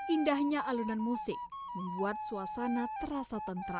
indahnya alunan musik membuat suasana terasa tentra